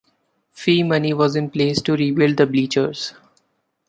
Fee, money was in place to rebuild the bleachers.